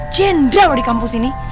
jendral di kampus ini